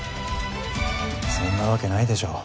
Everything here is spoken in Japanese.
そんなわけないでしょう。